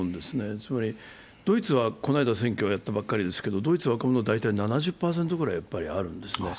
つまりドイツはこの間、選挙をやったばかりですけど、ドイツは大体７０％ぐらいあるんですね。